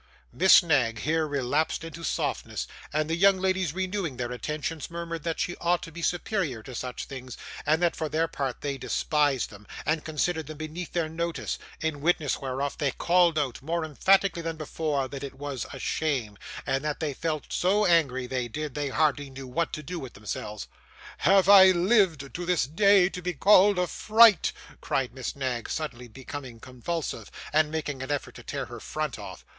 Miss Knag here relapsed into softness, and the young ladies renewing their attentions, murmured that she ought to be superior to such things, and that for their part they despised them, and considered them beneath their notice; in witness whereof, they called out, more emphatically than before, that it was a shame, and that they felt so angry, they did, they hardly knew what to do with themselves. 'Have I lived to this day to be called a fright!' cried Miss Knag, suddenly becoming convulsive, and making an effort to tear her front off.